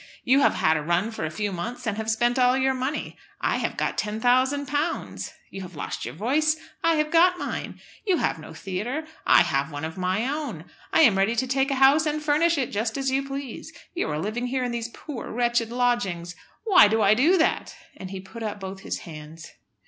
You have had a run for a few months, and have spent all your money. I have got £10,000! You have lost your voice, I have got mine. You have no theatre, I have one of my own. I am ready to take a house and furnish it just as you please. You are living here in these poor, wretched lodgings. Why do I do that?" And he put up both his hands.